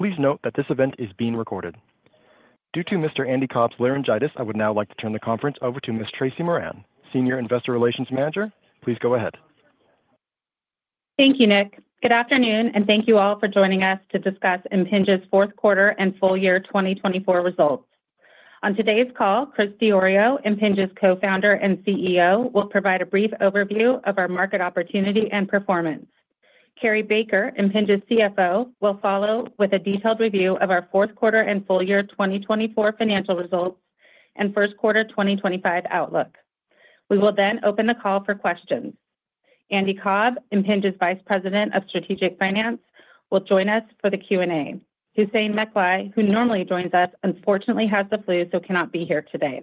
Please note that this event is being recorded. Due to Mr. Andy Cobb's laryngitis, I would now like to turn the conference over to Ms. Tracy Moran, Senior Investor Relations Manager. Please go ahead. Thank you, Nick. Good afternoon, and thank you all for joining us to discuss Impinj's fourth quarter and full year 2024 results. On today's call, Chris Diorio, Impinj's Co-founder and CEO, will provide a brief overview of our market opportunity and performance. Cary Baker, Impinj's CFO, will follow with a detailed review of our fourth quarter and full year 2024 financial results and first quarter 2025 outlook. We will then open the call for questions. Andy Cobb, Impinj's Vice President of Strategic Finance, will join us for the Q&A. Hussein Mecklai, who normally joins us, unfortunately has the flu, so cannot be here today.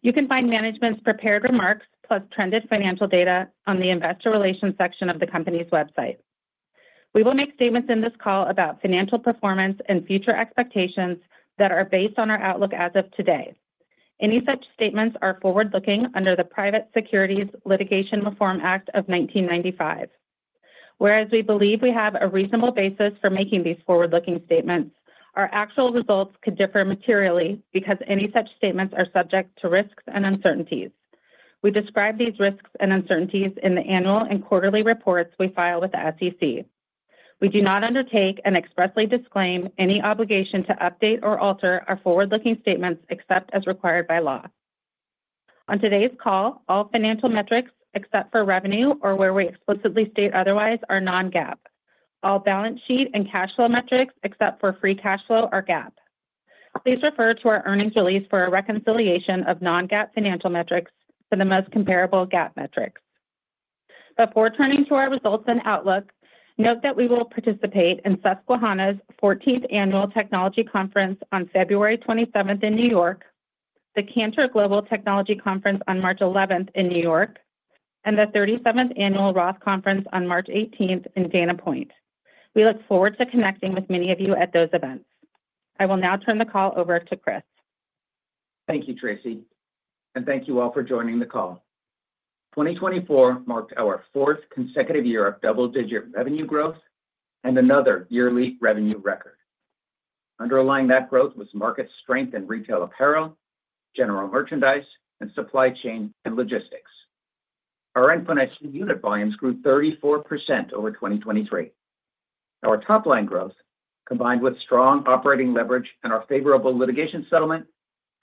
You can find management's prepared remarks, plus trended financial data on the Investor Relations section of the company's website. We will make statements in this call about financial performance and future expectations that are based on our outlook as of today. Any such statements are forward-looking under the Private Securities Litigation Reform Act of 1995. Whereas we believe we have a reasonable basis for making these forward-looking statements, our actual results could differ materially because any such statements are subject to risks and uncertainties. We describe these risks and uncertainties in the annual and quarterly reports we file with the SEC. We do not undertake and expressly disclaim any obligation to update or alter our forward-looking statements except as required by law. On today's call, all financial metrics except for revenue, or where we explicitly state otherwise, are non-GAAP. All balance sheet and cash flow metrics except for free cash flow are GAAP. Please refer to our earnings release for a reconciliation of non-GAAP financial metrics to the most comparable GAAP metrics. Before turning to our results and outlook, note that we will participate in Susquehanna's 14th Annual Technology Conference on February 27 in New York, the Cantor Global Technology Conference on March 11 in New York, and the 37th Annual Roth Conference on March 18 in Dana Point. We look forward to connecting with many of you at those events. I will now turn the call over to Chris. Thank you, Tracy, and thank you all for joining the call. 2024 marked our fourth consecutive year of double-digit revenue growth and another yearly revenue record. Underlying that growth was market strength in retail apparel, general merchandise, and supply chain and logistics. Our Endpoint IC unit volumes grew 34% over 2023. Our top-line growth, combined with strong operating leverage and our favorable litigation settlement,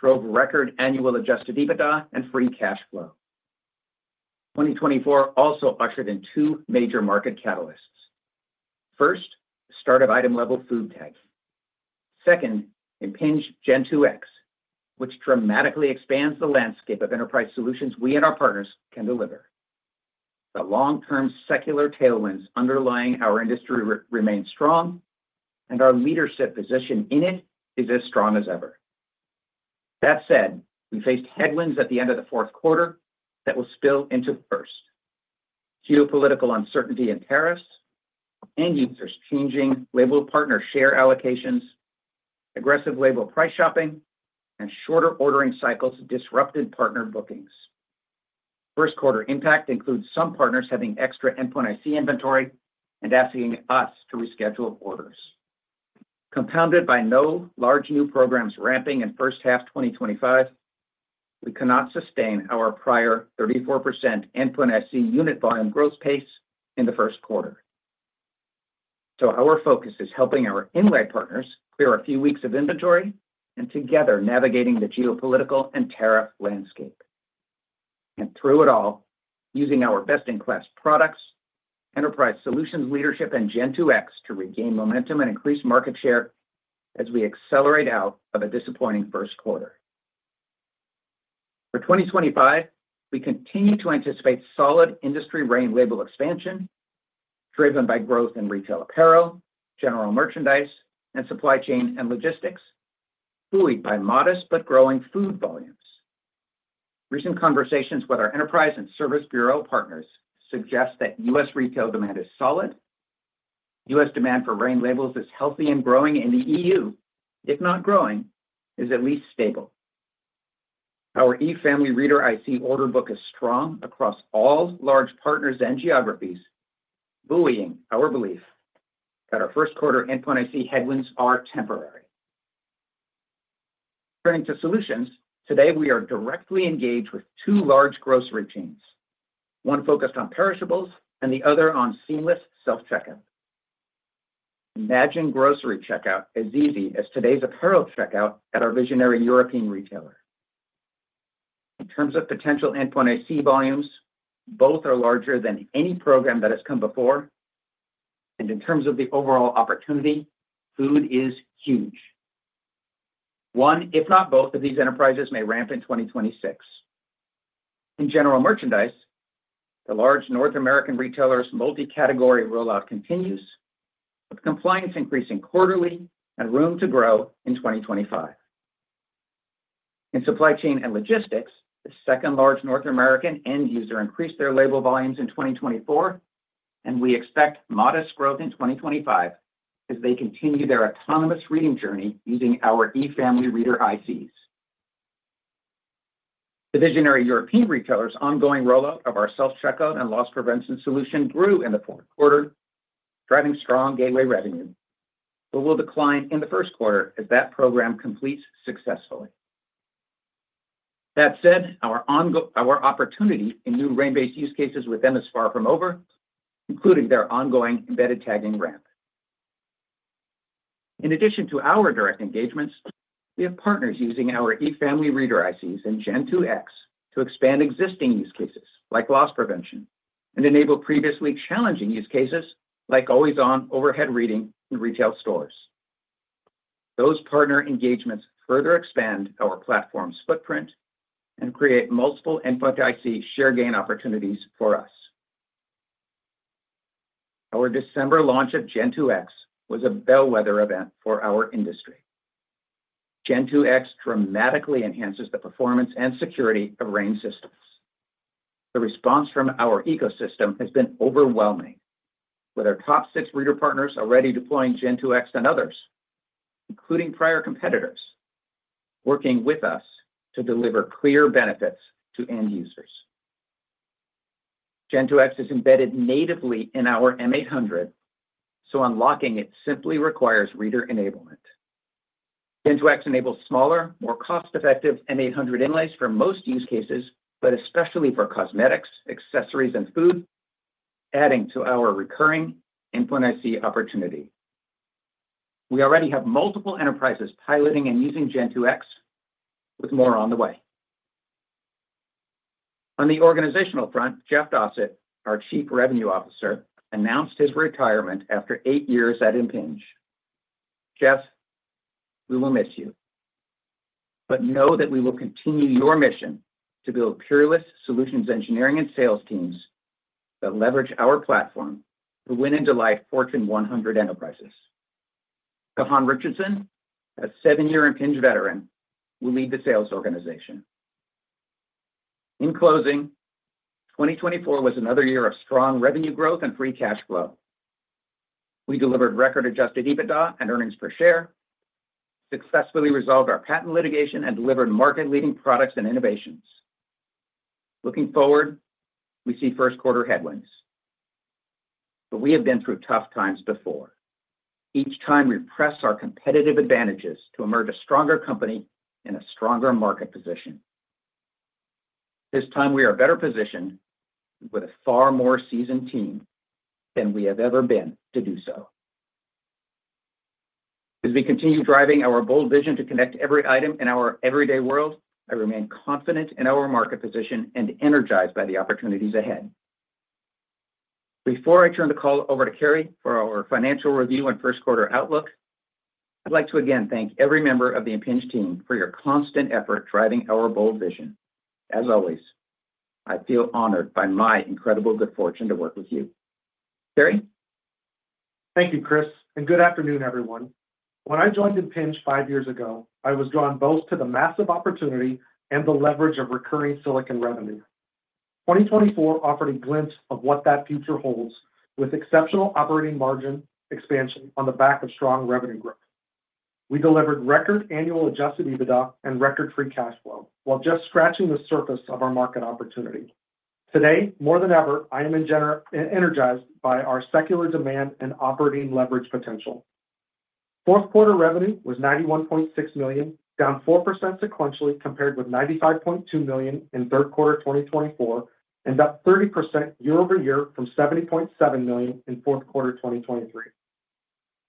drove record annual adjusted EBITDA and free cash flow. 2024 also ushered in two major market catalysts. First, the start of item-level food tech. Second, Impinj Gen2X, which dramatically expands the landscape of enterprise solutions we and our partners can deliver. The long-term secular tailwinds underlying our industry remain strong, and our leadership position in it is as strong as ever. That said, we faced headwinds at the end of the fourth quarter that will spill into the first. Geopolitical uncertainty and tariffs, end users changing label partner share allocations, aggressive label price shopping, and shorter ordering cycles disrupted partner bookings. First quarter impact includes some partners having extra Endpoint IC inventory and asking us to reschedule orders. Compounded by no large new programs ramping in H1 2025, we cannot sustain our prior 34% Endpoint IC unit volume growth pace in the first quarter, so our focus is helping our inlay partners clear a few weeks of inventory and together navigating the geopolitical and tariff landscape and through it all, using our best-in-class products, enterprise solutions leadership, and Gen2X to regain momentum and increase market share as we accelerate out of a disappointing first quarter. For 2025, we continue to anticipate solid industry-range label expansion driven by growth in retail apparel, general merchandise, and supply chain and logistics, buoyed by modest but growing food volumes. Recent conversations with our enterprise and service bureau partners suggest that U.S. retail demand is solid, U.S. demand for range labels is healthy and growing in the EU, if not growing, is at least stable. Our E-Family Reader IC order book is strong across all large partners and geographies, buoying our belief that our first-quarter Endpoint IC headwinds are temporary. Turning to solutions, today we are directly engaged with two large grocery chains, one focused on perishables and the other on seamless self-checkout. Imagine grocery checkout as easy as today's apparel checkout at our visionary European retailer. In terms of potential Endpoint IC volumes, both are larger than any program that has come before, and in terms of the overall opportunity, food is huge. One, if not both, of these enterprises may ramp in 2026. In general merchandise, the large North American retailer's multi-category rollout continues, with compliance increasing quarterly and room to grow in 2025. In supply chain and logistics, the second large North American end user increased their label volumes in 2024, and we expect modest growth in 2025 as they continue their autonomous reading journey using our E-Family Reader ICs. The visionary European retailer's ongoing rollout of our self-checkout and loss prevention solution grew in the fourth quarter, driving strong gateway revenue, but will decline in the first quarter as that program completes successfully. That said, our opportunity in new range-based use cases with them is far from over, including their ongoing embedded tagging ramp. In addition to our direct engagements, we have partners using our E-Family Reader ICs and Gen2X to expand existing use cases like loss prevention and enable previously challenging use cases like always-on overhead reading in retail stores. Those partner engagements further expand our platform's footprint and create multiple Endpoint IC share gain opportunities for us. Our December launch of Gen2X was a bellwether event for our industry. Gen2X dramatically enhances the performance and security of range systems. The response from our ecosystem has been overwhelming, with our top six reader partners already deploying Gen2X and others, including prior competitors, working with us to deliver clear benefits to end users. Gen2X is embedded natively in our M800, so unlocking it simply requires reader enablement. Gen2X enables smaller, more cost-effective M800 inlays for most use cases, but especially for cosmetics, accessories, and food, adding to our recurring Endpoint IC opportunity. We already have multiple enterprises piloting and using Gen2X, with more on the way. On the organizational front, Jeff Dossett, our Chief Revenue Officer, announced his retirement after eight years at Impinj. Jeff, we will miss you, but know that we will continue your mission to build peerless solutions engineering and sales teams that leverage our platform to win and delight Fortune 100 enterprises. Gahan Richardson, a seven-year Impinj veteran, will lead the sales organization. In closing, 2024 was another year of strong revenue growth and free cash flow. We delivered record adjusted EBITDA and earnings per share, successfully resolved our patent litigation, and delivered market-leading products and innovations. Looking forward, we see first-quarter headwinds, but we have been through tough times before. Each time we press our competitive advantages to emerge a stronger company in a stronger market position. This time we are better positioned with a far more seasoned team than we have ever been to do so. As we continue driving our bold vision to connect every item in our everyday world, I remain confident in our market position and energized by the opportunities ahead. Before I turn the call over to Cary for our financial review and first-quarter outlook, I'd like to again thank every member of the Impinj team for your constant effort driving our bold vision. As always, I feel honored by my incredible good fortune to work with you. Cary? Thank you, Chris, and good afternoon, everyone. When I joined Impinj five years ago, I was drawn both to the massive opportunity and the leverage of recurring silicon revenue. 2024 offered a glimpse of what that future holds with exceptional operating margin expansion on the back of strong revenue growth. We delivered record annual Adjusted EBITDA and record Free Cash Flow while just scratching the surface of our market opportunity. Today, more than ever, I am energized by our secular demand and operating leverage potential. Fourth-quarter revenue was $91.6 million, down 4% sequentially compared with $95.2 million in third quarter 2024, and up 30% year-over-year from $70.7 million in fourth quarter 2023.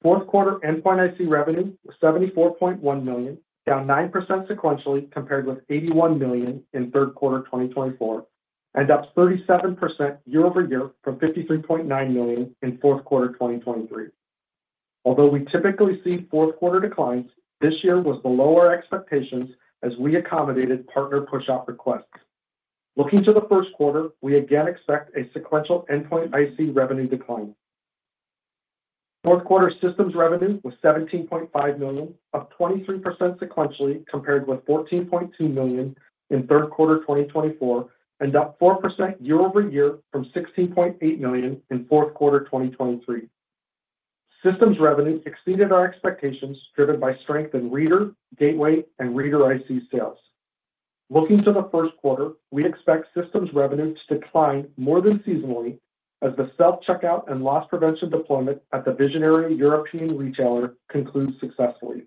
Fourth-quarter Endpoint IC revenue was $74.1 million, down 9% sequentially compared with $81 million in third quarter 2024, and up 37% year-over-year from $53.9 million in fourth quarter 2023. Although we typically see fourth-quarter declines, this year was below our expectations as we accommodated partner push-out requests. Looking to the first quarter, we again expect a sequential Endpoint IC revenue decline. Fourth-quarter Systems revenue was $17.5 million, up 23% sequentially compared with $14.2 million in third quarter 2024, and up 4% year-over-year from $16.8 million in fourth quarter 2023. Systems revenue exceeded our expectations driven by strength in reader, gateway, and reader IC sales. Looking to the first quarter, we expect Systems revenue to decline more than seasonally as the self-checkout and loss prevention deployment at the visionary European retailer concludes successfully.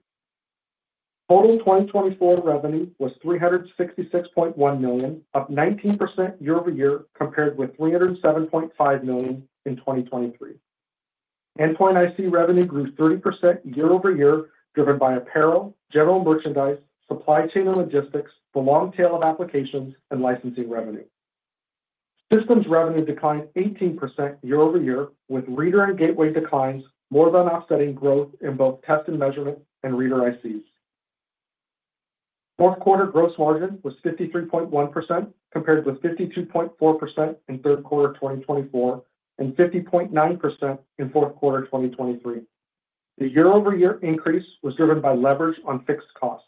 Total 2024 revenue was $366.1 million, up 19% year-over-year compared with $307.5 million in 2023. Endpoint IC revenue grew 30% year-over-year driven by apparel, general merchandise, supply chain and logistics, the long tail of applications, and licensing revenue. Systems revenue declined 18% year-over-year with reader and gateway declines more than offsetting growth in both test and measurement and reader ICs. Fourth-quarter gross margin was 53.1% compared with 52.4% in third quarter 2024 and 50.9% in fourth quarter 2023. The year-over-year increase was driven by leverage on fixed cost.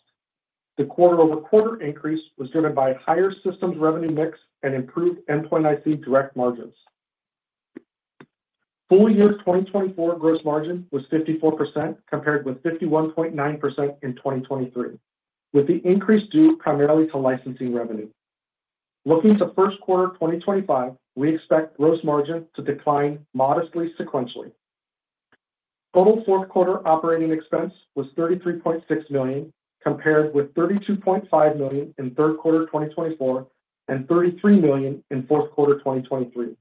The quarter-over-quarter increase was driven by a higher Systems revenue mix and improved Endpoint IC direct margins. Full year 2024 gross margin was 54% compared with 51.9% in 2023, with the increase due primarily to licensing revenue. Looking to first quarter 2025, we expect gross margin to decline modestly sequentially. Total fourth-quarter operating expense was $33.6 million compared with $32.5 million in third quarter 2024 and $33 million in fourth quarter 2023.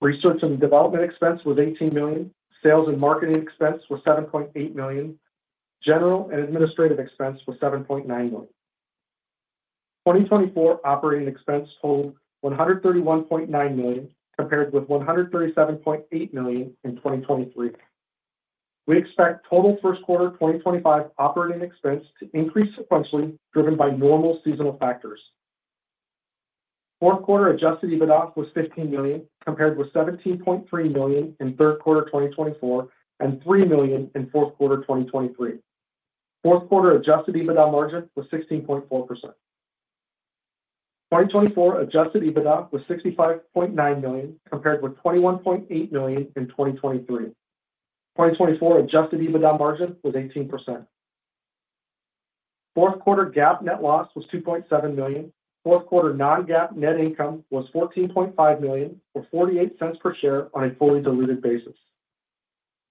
Research and development expense was $18 million. Sales and marketing expense was $7.8 million. General and administrative expense was $7.9 million. 2024 operating expense totaled $131.9 million compared with $137.8 million in 2023. We expect total first quarter 2025 operating expense to increase sequentially driven by normal seasonal factors. Fourth quarter adjusted EBITDA was $15 million compared with $17.3 million in third quarter 2024 and $3 million in fourth quarter 2023. Fourth quarter adjusted EBITDA margin was 16.4%. 2024 adjusted EBITDA was $65.9 million compared with $21.8 million in 2023. 2024 adjusted EBITDA margin was 18%. Fourth quarter GAAP net loss was $2.7 million. Fourth quarter non-GAAP net income was $14.5 million or $0.48 per share on a fully diluted basis.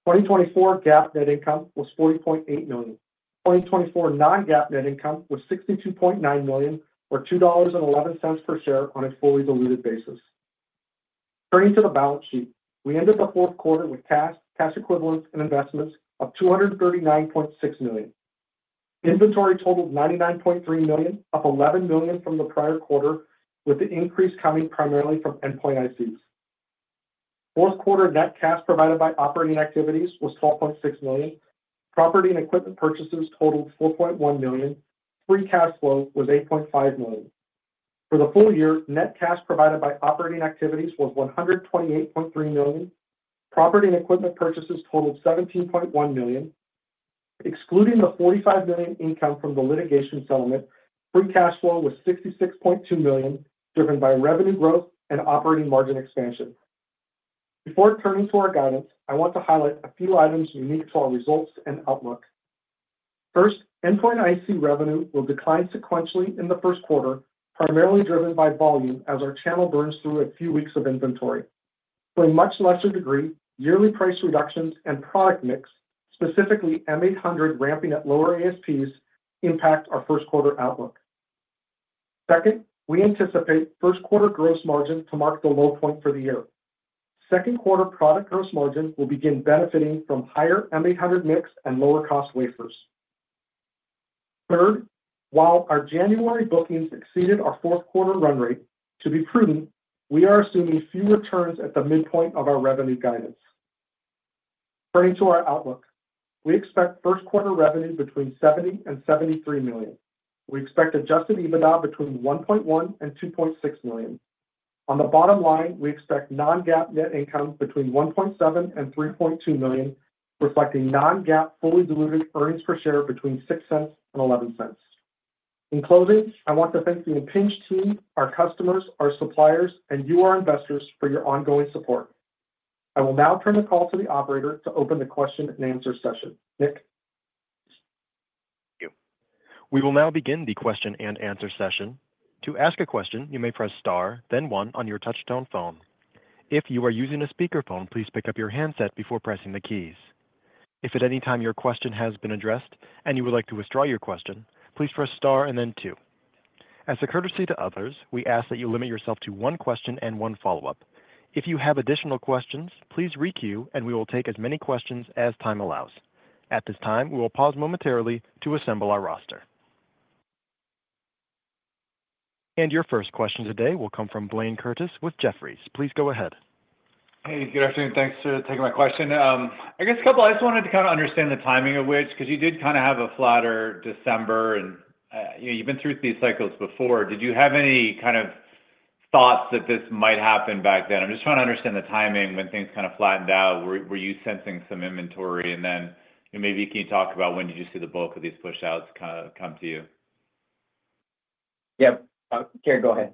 2024 GAAP net income was $40.8 million. 2024 non-GAAP net income was $62.9 million or $2.11 per share on a fully diluted basis. Turning to the balance sheet, we ended the fourth quarter with cash, cash equivalents, and investments of $239.6 million. Inventory totaled $99.3 million, up $11 million from the prior quarter, with the increase coming primarily from Endpoint ICs. Fourth-quarter net cash provided by operating activities was $12.6 million. Property and equipment purchases totaled $4.1 million. Free cash flow was $8.5 million. For the full year, net cash provided by operating activities was $128.3 million. Property and equipment purchases totaled $17.1 million. Excluding the $45 million income from the litigation settlement, free cash flow was $66.2 million driven by revenue growth and operating margin expansion. Before turning to our guidance, I want to highlight a few items unique to our results and outlook. First, Endpoint IC revenue will decline sequentially in the first quarter, primarily driven by volume as our channel burns through a few weeks of inventory. To a much lesser degree, yearly price reductions and product mix, specifically M800 ramping at lower ASPs, impact our first-quarter outlook. Second, we anticipate first-quarter gross margin to mark the low point for the year. Second quarter product gross margin will begin benefiting from higher M800 mix and lower cost wafers. Third, while our January bookings exceeded our fourth-quarter run rate, to be prudent, we are assuming fewer turns at the midpoint of our revenue guidance. Turning to our outlook, we expect first-quarter revenue between $70 and $73 million. We expect Adjusted EBITDA between $1.1 and $2.6 million. On the bottom line, we expect non-GAAP net income between $1.7 and $3.2 million, reflecting non-GAAP fully diluted earnings per share between $0.06 and $0.11. In closing, I want to thank the Impinj team, our customers, our suppliers, and you, our investors, for your ongoing support. I will now turn the call to the operator to open the question and answer session. Nick. Thank you. We will now begin the question and answer session. To ask a question, you may press star, then one on your touch-tone phone. If you are using a speakerphone, please pick up your handset before pressing the keys. If at any time your question has been addressed and you would like to withdraw your question, please press star and then two. As a courtesy to others, we ask that you limit yourself to one question and one follow-up. If you have additional questions, please requeue and we will take as many questions as time allows. At this time, we will pause momentarily to assemble our roster. Your first question today will come from Blayne Curtis with Jefferies. Please go ahead. Hey, good afternoon. Thanks for taking my question. I guess I just wanted to kind of understand the timing of which, because you did kind of have a flatter December, and you've been through these cycles before. Did you have any kind of thoughts that this might happen back then? I'm just trying to understand the timing when things kind of flattened out. Were you sensing some inventory? And then maybe can you talk about when did you see the bulk of these push-outs kind of come to you? Yeah. Cary, go ahead.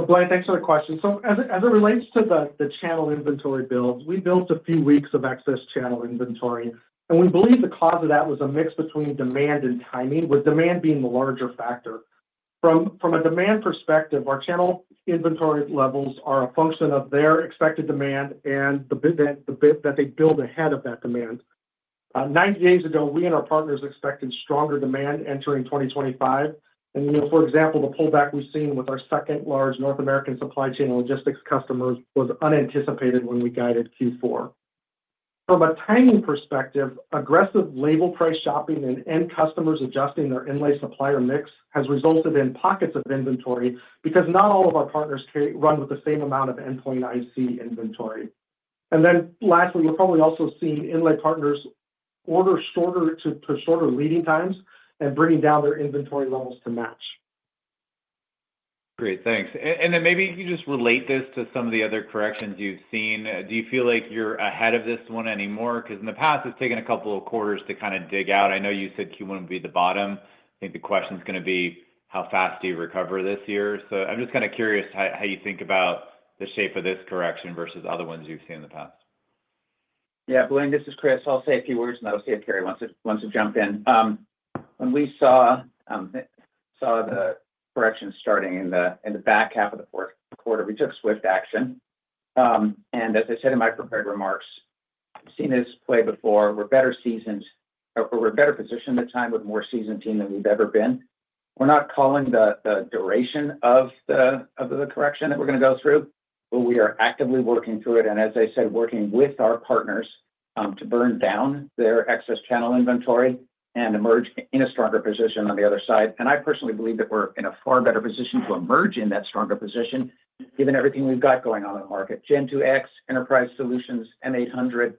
Blayne, thanks for the question. As it relates to the channel inventory build, we built a few weeks of excess channel inventory, and we believe the cause of that was a mix between demand and timing, with demand being the larger factor. From a demand perspective, our channel inventory levels are a function of their expected demand and the buffer that they build ahead of that demand. Ninety days ago, we and our partners expected stronger demand entering 2025. For example, the pullback we've seen with our second-largest North American supply chain and logistics customers was unanticipated when we guided Q4. From a timing perspective, aggressive label price shopping and end customers adjusting their inlay supplier mix has resulted in pockets of inventory because not all of our partners run with the same amount of Endpoint IC inventory. Lastly, we're probably also seeing inlay partners order shorter and shorter lead times and bringing down their inventory levels to match. Great. Thanks. And then maybe you can just relate this to some of the other corrections you've seen. Do you feel like you're ahead of this one anymore? Because in the past, it's taken a couple of quarters to kind of dig out. I know you said Q1 would be the bottom. I think the question's going to be, how fast do you recover this year? So I'm just kind of curious how you think about the shape of this correction versus other ones you've seen in the past? Yeah. Blayne, this is Chris. I'll say a few words, and then I'll see if Cary wants to jump in. When we saw the correction starting in the back half of the fourth quarter, we took swift action. And as I said in my prepared remarks, I've seen this play before. We're better seasoned or we're better positioned at the time with a more seasoned team than we've ever been. We're not calling the duration of the correction that we're going to go through, but we are actively working through it. And as I said, working with our partners to burn down their excess channel inventory and emerge in a stronger position on the other side. And I personally believe that we're in a far better position to emerge in that stronger position, given everything we've got going on in the market. Gen2X, Enterprise Solutions, M800,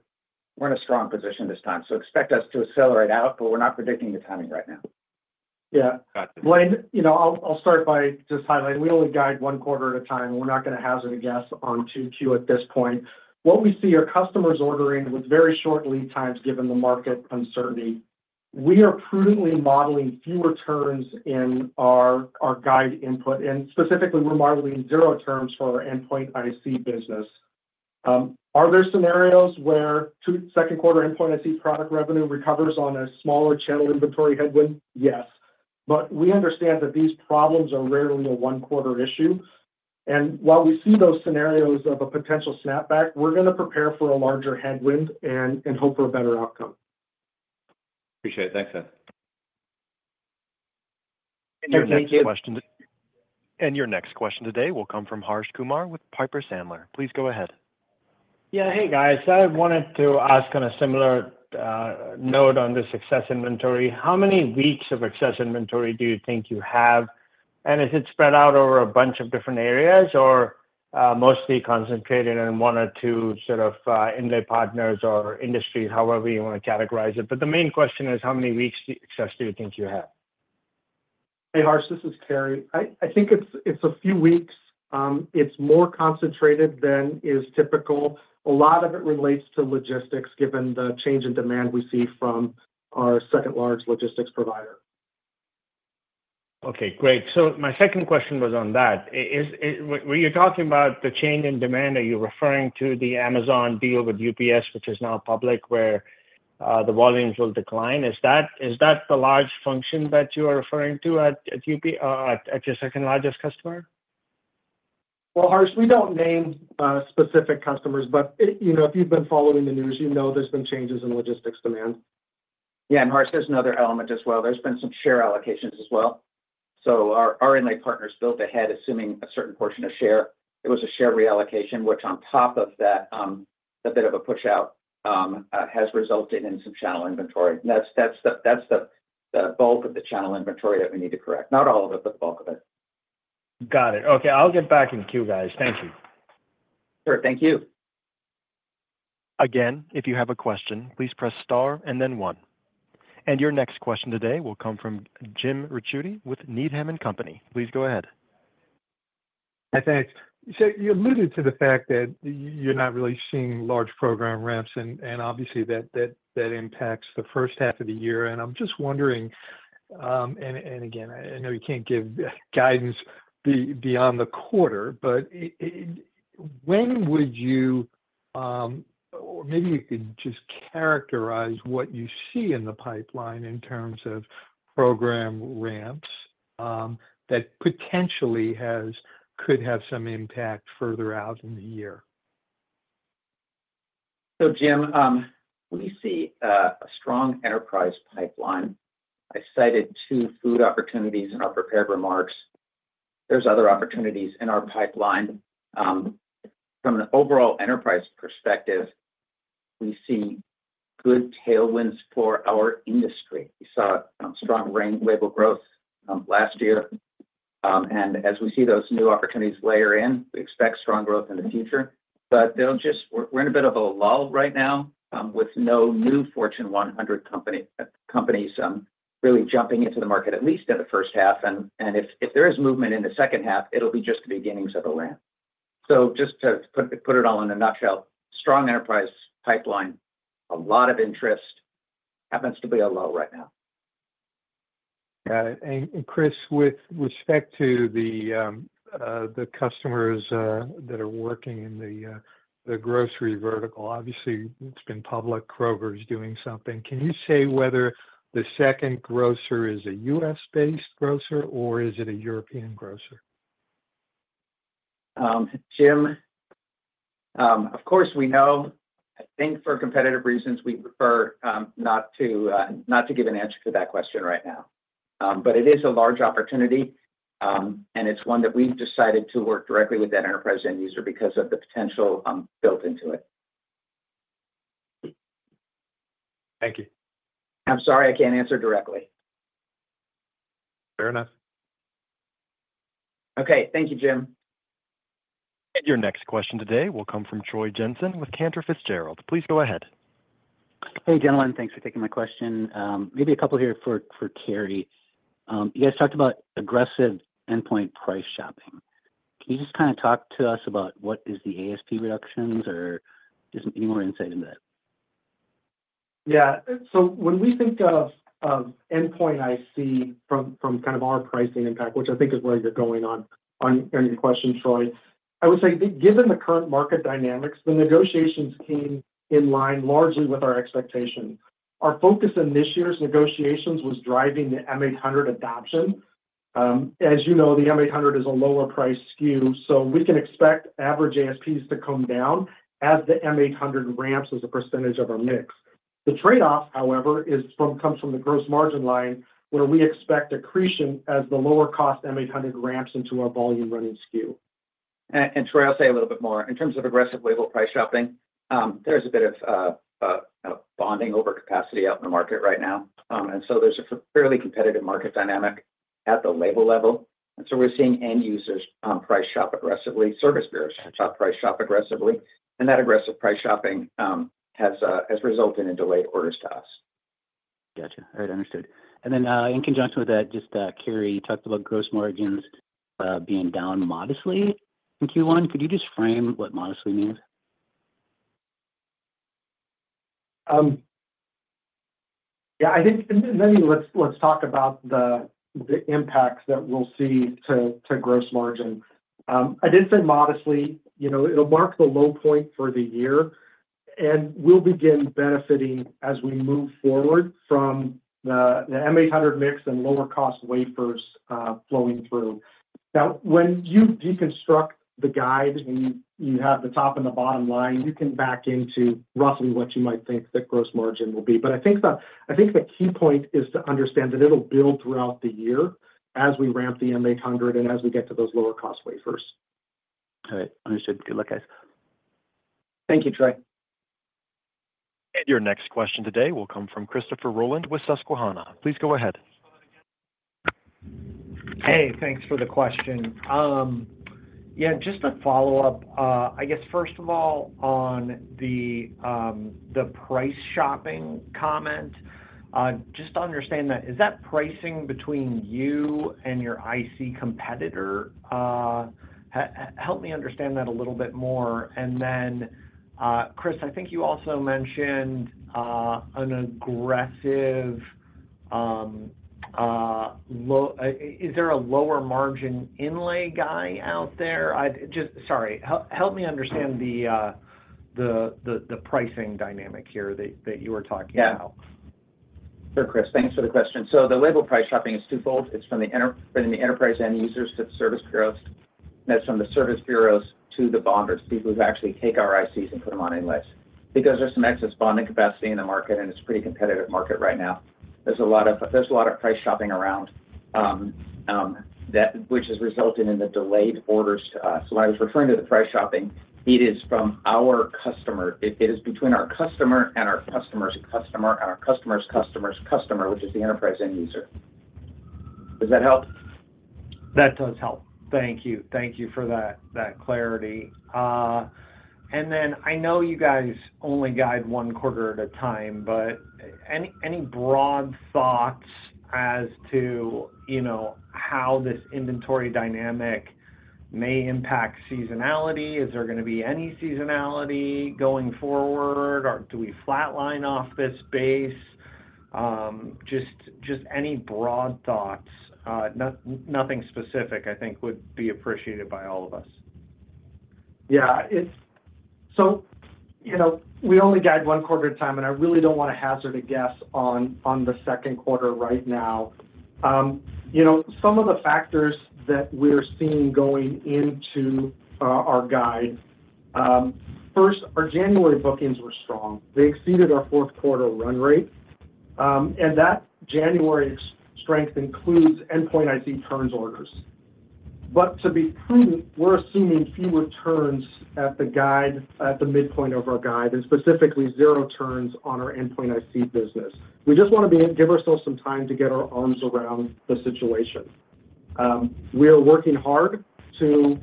we're in a strong position this time. So expect us to accelerate out, but we're not predicting the timing right now. Yeah. Blayne, I'll start by just highlighting we only guide one quarter at a time. We're not going to hazard a guess on Q2 at this point. What we see are customers ordering with very short lead times given the market uncertainty. We are prudently modeling fewer turns in our guide input. And specifically, we're modeling zero turns for our Endpoint IC business. Are there scenarios where second quarter Endpoint IC product revenue recovers on a smaller channel inventory headwind? Yes. But we understand that these problems are rarely a one-quarter issue. And while we see those scenarios of a potential snapback, we're going to prepare for a larger headwind and hope for a better outcome. Appreciate it. Thanks. Your next question today will come from Harsh Kumar with Piper Sandler. Please go ahead. Yeah. Hey, guys. I wanted to ask on a similar note on this excess inventory. How many weeks of excess inventory do you think you have? And is it spread out over a bunch of different areas or mostly concentrated in one or two sort of inlay partners or industries, however you want to categorize it? But the main question is, how many weeks of excess do you think you have? Hey, Harsh. This is Cary. I think it's a few weeks. It's more concentrated than is typical. A lot of it relates to logistics given the change in demand we see from our second-largest logistics provider. Okay. Great. So my second question was on that. When you're talking about the change in demand, are you referring to the Amazon deal with UPS, which is now public, where the volumes will decline? Is that the large portion that you are referring to at your second-largest customer? Harsh, we don't name specific customers, but if you've been following the news, you know there's been changes in logistics demand. Yeah. And Harsh, there's another element as well. There's been some share allocations as well. So our inlay partners built ahead assuming a certain portion of share. It was a share reallocation, which on top of that, a bit of a push-out has resulted in some channel inventory. That's the bulk of the channel inventory that we need to correct. Not all of it, but the bulk of it. Got it. Okay. I'll get back in queue, guys. Thank you. Sure. Thank you. Again, if you have a question, please press star and then one. And your next question today will come from Jim Ricchiuti with Needham & Company. Please go ahead. Hi, thanks. So you alluded to the fact that you're not really seeing large program ramps, and obviously, that impacts the first half of the year. And I'm just wondering, and again, I know you can't give guidance beyond the quarter, but when would you, or maybe you could just characterize what you see in the pipeline in terms of program ramps that potentially could have some impact further out in the year? So, Jim, we see a strong enterprise pipeline. I cited two food opportunities in our prepared remarks. There's other opportunities in our pipeline. From an overall enterprise perspective, we see good tailwinds for our industry. We saw strong label growth last year. And as we see those new opportunities layer in, we expect strong growth in the future. But we're in a bit of a lull right now with no new Fortune 100 companies really jumping into the market, at least in the H1. And if there is movement in the H2, it'll be just the beginnings of a ramp. So just to put it all in a nutshell, strong enterprise pipeline, a lot of interest, happens to be a low right now. Got it. And Chris, with respect to the customers that are working in the grocery vertical, obviously, it's been public, Kroger's doing something. Can you say whether the second grocer is a U.S.-based grocer or is it a European grocer? Jim, of course, we know, I think for competitive reasons, we prefer not to give an answer to that question right now. But it is a large opportunity, and it's one that we've decided to work directly with that enterprise end user because of the potential built into it. Thank you. I'm sorry I can't answer directly. Fair enough. Okay. Thank you, Jim. Your next question today will come from Troy Jensen with Cantor Fitzgerald. Please go ahead. Hey, gentlemen. Thanks for taking my question. Maybe a couple here for Cary. You guys talked about aggressive endpoint price shopping. Can you just kind of talk to us about what is the ASP reductions or just any more insight into that? Yeah. So when we think of Endpoint IC from kind of our pricing impact, which I think is where you're going on your question, Troy, I would say given the current market dynamics, the negotiations came in line largely with our expectation. Our focus in this year's negotiations was driving the M800 adoption. As you know, the M800 is a lower-priced SKU, so we can expect average ASPs to come down as the M800 ramps as a percentage of our mix. The trade-off, however, comes from the gross margin line where we expect accretion as the lower-cost M800 ramps into our volume-running SKU. Troy, I'll say a little bit more. In terms of aggressive label price shopping, there's a bit of overcapacity out in the market right now. There's a fairly competitive market dynamic at the label level. We're seeing end users price shop aggressively. Service bureaus price shop aggressively. That aggressive price shopping has resulted in delayed orders to us. Gotcha. All right. Understood. And then in conjunction with that, just Cary, you talked about gross margins being down modestly in Q1. Could you just frame what modestly means? Yeah. I think maybe let's talk about the impacts that we'll see to gross margins. I did say modestly. It'll mark the low point for the year, and we'll begin benefiting as we move forward from the M800 mix and lower-cost wafers flowing through. Now, when you deconstruct the guide, when you have the top and the bottom line, you can back into roughly what you might think that gross margin will be. But I think the key point is to understand that it'll build throughout the year as we ramp the M800 and as we get to those lower-cost wafers. All right. Understood. Good luck, guys. Thank you, Troy. Your next question today will come from Christopher Rolland with Susquehanna. Please go ahead. Hey, thanks for the question. Yeah, just a follow-up. I guess, first of all, on the price shopping comment, just to understand that, is that pricing between you and your IC competitor? Help me understand that a little bit more. And then, Chris, I think you also mentioned an aggressive, is there a lower-margin inlay guy out there? Sorry. Help me understand the pricing dynamic here that you were talking about. Yeah. Sure, Chris. Thanks for the question. So the label price shopping is twofold. It's from the enterprise end users to the service bureaus. And that's from the service bureaus to the bonders, people who actually take our ICs and put them on inlays. Because there's some excess bonding capacity in the market, and it's a pretty competitive market right now. There's a lot of price shopping around, which has resulted in the delayed orders to us. So when I was referring to the price shopping, it is from our customer. It is between our customer and our customer's customer and our customer's customer's customer, which is the enterprise end user. Does that help? That does help. Thank you. Thank you for that clarity. And then I know you guys only guide one quarter at a time, but any broad thoughts as to how this inventory dynamic may impact seasonality? Is there going to be any seasonality going forward? Do we flatline off this base? Just any broad thoughts. Nothing specific, I think, would be appreciated by all of us. Yeah. So we only guide one quarter at a time, and I really don't want to hazard a guess on the second quarter right now. Some of the factors that we're seeing going into our guide: first, our January bookings were strong. They exceeded our fourth-quarter run rate. And that January strength includes Endpoint IC turns orders. But to be prudent, we're assuming fewer turns at the midpoint of our guide, and specifically zero turns on our Endpoint IC business. We just want to give ourselves some time to get our arms around the situation. We are working hard to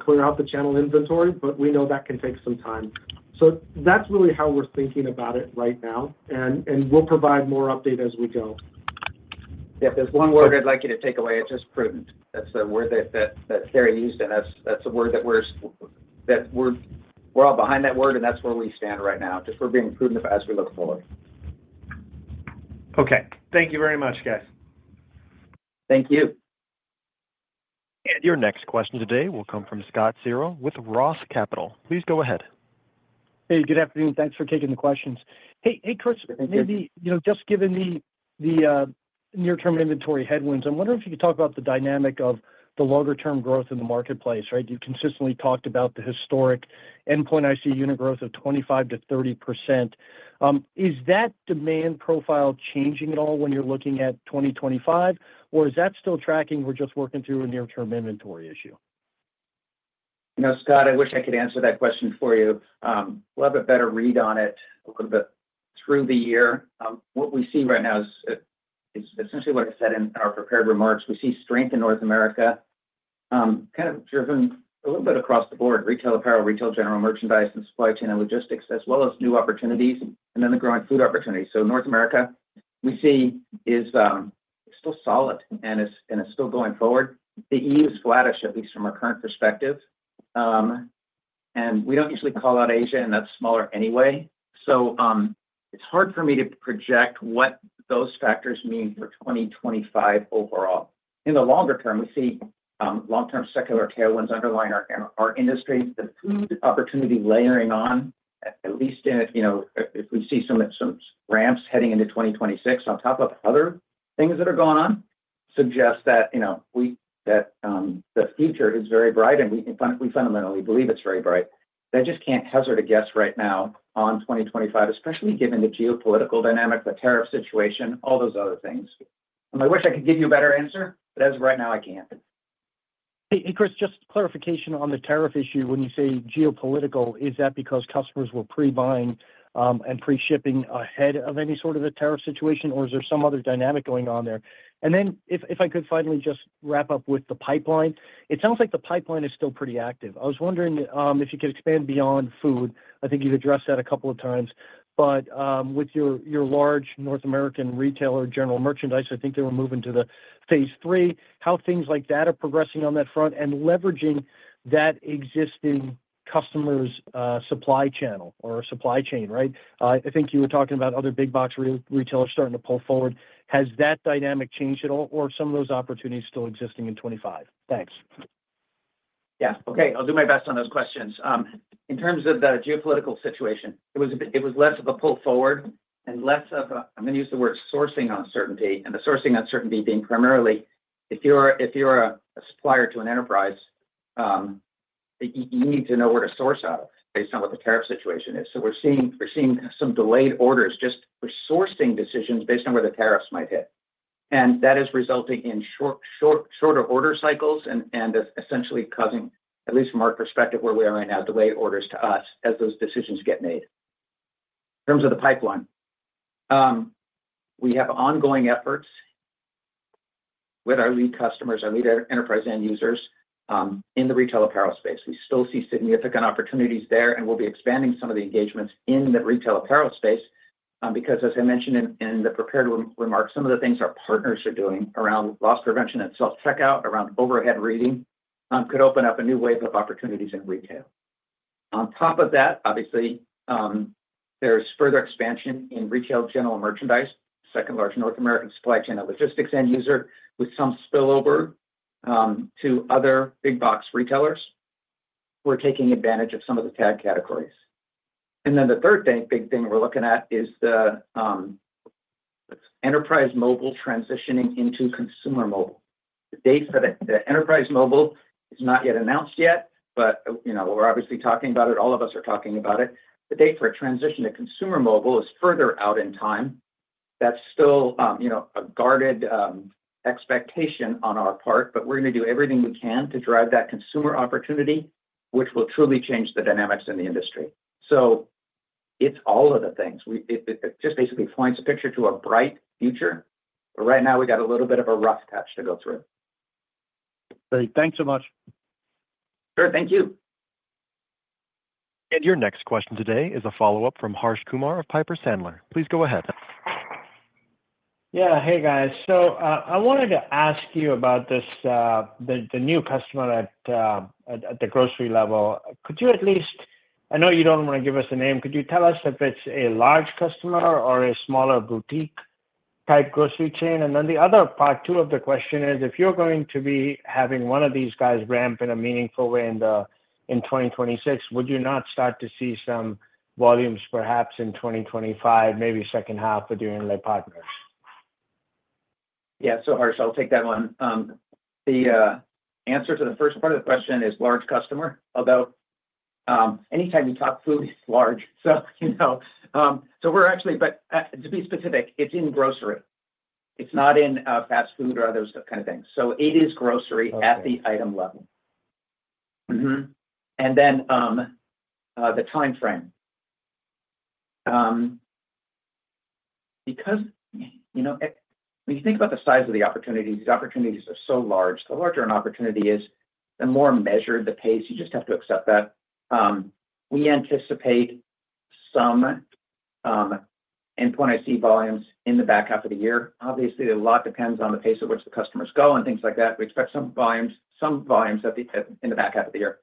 clear out the channel inventory, but we know that can take some time. So that's really how we're thinking about it right now. And we'll provide more update as we go. If there's one word I'd like you to take away, it's just prudent. That's the word that Cary used. And that's a word that we're all behind that word, and that's where we stand right now. Just, we're being prudent as we look forward. Okay. Thank you very much, guys. Thank you. Your next question today will come from Scott Searle with Roth Capital. Please go ahead. Hey, good afternoon. Thanks for taking the questions. Hey, Chris, maybe just given the near-term inventory headwinds, I'm wondering if you could talk about the dynamic of the longer-term growth in the marketplace, right? You've consistently talked about the historic Endpoint IC unit growth of 25%-30%. Is that demand profile changing at all when you're looking at 2025, or is that still tracking? We're just working through a near-term inventory issue. No, Scott, I wish I could answer that question for you. We'll have a better read on it a little bit through the year. What we see right now is essentially what I said in our prepared remarks. We see strength in North America kind of driven a little bit across the board: retail, apparel, retail general merchandise, and supply chain and logistics, as well as new opportunities, and then the growing food opportunities. So North America, we see is still solid and is still going forward. The EU is flattish, at least from our current perspective. And we don't usually call out Asia, and that's smaller anyway. So it's hard for me to project what those factors mean for 2025 overall. In the longer term, we see long-term secular tailwinds underlying our industry. The food opportunity layering on, at least if we see some ramps heading into 2026 on top of other things that are going on, suggests that the future is very bright, and we fundamentally believe it's very bright. I just can't hazard a guess right now on 2025, especially given the geopolitical dynamic, the tariff situation, all those other things, and I wish I could give you a better answer, but as of right now, I can't. Hey, and Chris, just clarification on the tariff issue. When you say geopolitical, is that because customers were pre-buying and pre-shipping ahead of any sort of a tariff situation, or is there some other dynamic going on there? And then if I could finally just wrap up with the pipeline, it sounds like the pipeline is still pretty active. I was wondering if you could expand beyond food. I think you've addressed that a couple of times. But with your large North American retailer general merchandise, I think they were moving to the phase three, how things like that are progressing on that front and leveraging that existing customer's supply channel or supply chain, right? I think you were talking about other big-box retailers starting to pull forward. Has that dynamic changed at all, or are some of those opportunities still existing in 2025? Thanks. Yeah. Okay. I'll do my best on those questions. In terms of the geopolitical situation, it was less of a pull forward and less of a, I'm going to use the word sourcing uncertainty, and the sourcing uncertainty being primarily, if you're a supplier to an enterprise, you need to know where to source out of based on what the tariff situation is. So we're seeing some delayed orders just for sourcing decisions based on where the tariffs might hit. And that is resulting in shorter order cycles and essentially causing, at least from our perspective where we are right now, delayed orders to us as those decisions get made. In terms of the pipeline, we have ongoing efforts with our lead customers, our lead enterprise end users in the retail apparel space. We still see significant opportunities there, and we'll be expanding some of the engagements in the retail apparel space because, as I mentioned in the prepared remarks, some of the things our partners are doing around loss prevention and self-checkout around overhead reading could open up a new wave of opportunities in retail. On top of that, obviously, there's further expansion in retail general merchandise, second-largest North American supply chain and logistics end user with some spillover to other big-box retailers. We're taking advantage of some of the tag categories. And then the third big thing we're looking at is the enterprise mobile transitioning into consumer mobile. The enterprise mobile is not yet announced yet, but we're obviously talking about it. All of us are talking about it. The date for a transition to consumer mobile is further out in time. That's still a guarded expectation on our part, but we're going to do everything we can to drive that consumer opportunity, which will truly change the dynamics in the industry. So it's all of the things. It just basically paints a picture to a bright future. But right now, we got a little bit of a rough patch to go through. Great. Thanks so much. Sure. Thank you. Your next question today is a follow-up from Harsh Kumar of Piper Sandler. Please go ahead. Yeah. Hey, guys. So I wanted to ask you about the new customer at the grocery level. Could you at least-I know you don't want to give us a name. Could you tell us if it's a large customer or a smaller boutique-type grocery chain? And then the other part, too, of the question is, if you're going to be having one of these guys ramp in a meaningful way in 2026, would you not start to see some volumes perhaps in 2025, maybe second half with your inlay partners? Yeah. So, Harsh, I'll take that one. The answer to the first part of the question is large customer, although anytime you talk food, it's large. So, we're actually, but to be specific, it's in grocery. It's not in fast food or other kind of things. So, it is grocery at the item level, and then the time frame. Because when you think about the size of the opportunities, these opportunities are so large. The larger an opportunity is, the more measured the pace. You just have to accept that. We anticipate some Endpoint IC volumes in the back half of the year. Obviously, a lot depends on the pace at which the customers go and things like that. We expect some volumes in the back half of the year,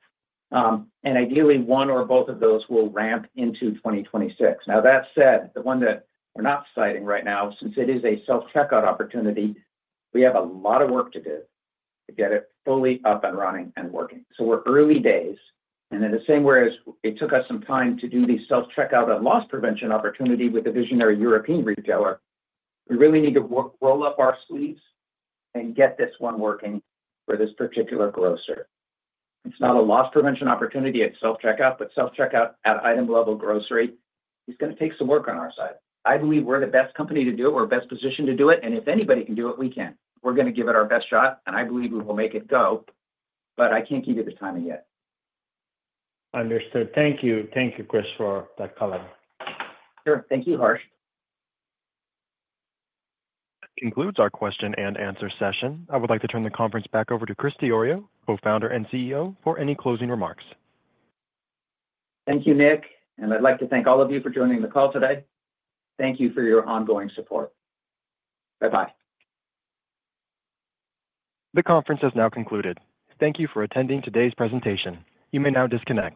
and ideally, one or both of those will ramp into 2026. Now, that said, the one that we're not citing right now, since it is a self-checkout opportunity, we have a lot of work to do to get it fully up and running and working, so we're early days. And in the same way as it took us some time to do the self-checkout and loss prevention opportunity with the visionary European retailer, we really need to roll up our sleeves and get this one working for this particular grocer. It's not a loss prevention opportunity at self-checkout, but self-checkout at item-level grocery is going to take some work on our side. I believe we're the best company to do it. We're best positioned to do it, and if anybody can do it, we can. We're going to give it our best shot, and I believe we will make it go, but I can't give you the timing yet. Understood. Thank you. Thank you, Chris, for that color. Sure. Thank you, Harsh. That concludes our question and answer session. I would like to turn the conference back over to Chris Diorio, Co-founder and CEO, for any closing remarks. Thank you, Nick. And I'd like to thank all of you for joining the call today. Thank you for your ongoing support. Bye-bye. The conference has now concluded. Thank you for attending today's presentation. You may now disconnect.